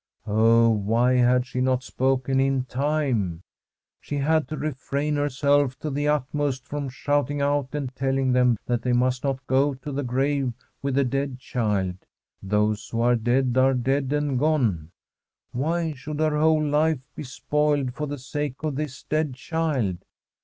Oh, why had she not spoken in time ? She had to restrain herself to the utmost [ 332 ] The INSCRIPTION on tbt GRAVE from shouting out and telling them that they must not go to the grave with the dead child. Those who are dead are dead and gone. Why should her whole life be spoiled for the sake of this dead child